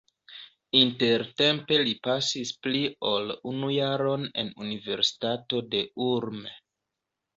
Intertempe li pasis pli ol unu jaron en universitato en Ulm.